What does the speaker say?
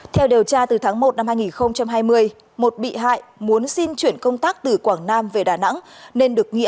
theo điều tra từ tháng một năm hai nghìn hai mươi một bị hại muốn xin chuyển công tác từ quảng nam về đà nẵng nên được nghĩa